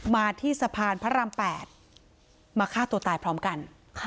มาที่สะพานพระราม๘มาฆ่าตัวตายพร้อมกัน